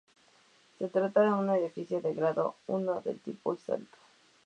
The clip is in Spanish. Se trata de un edificio de Grado I de tipo Histórico.